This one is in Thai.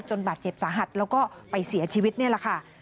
บาดเจ็บสาหัสแล้วก็ไปเสียชีวิตนี่แหละค่ะ